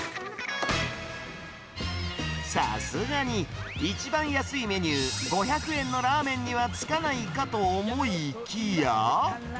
さすがに、一番安いメニュー、５００円のラーメンには付かないかと思いきや。